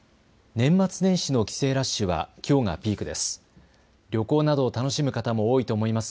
年末年始の帰省ラッシュはきょうがピークです。